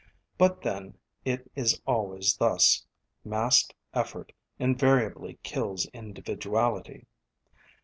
But then, it is always thus: massed effort invariably kills individuality.